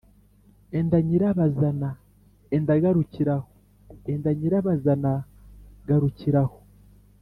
‘enda nyirabazana, enda garukira aho enda nyirabazana garukira aho.’